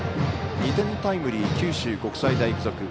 ２点タイムリー、九州国際大付属。